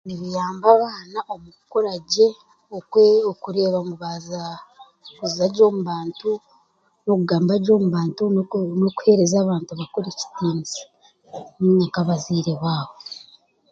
Nibiyamba abaana omu kukora gye , okureeba ngu baaza okuza gye omu bantu n'okugamba gye omu bantu n'okuheereza abantu bakuru ekitiinisa nainga nk'abazaire baabo.